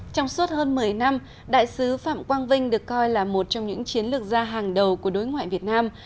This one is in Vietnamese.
trong suốt hơn một mươi năm đại sứ phạm quang vinh được coi là một trong những chiến lược gia hàng đầu của đối ngoại việt nam